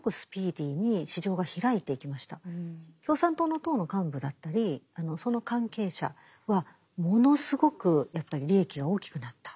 なのでこれはものすごく共産党の党の幹部だったりその関係者はものすごくやっぱり利益が大きくなった。